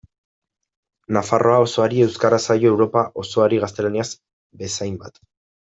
Nafarroa osoari euskara zaio Europa osoari gaztelania bezainbat.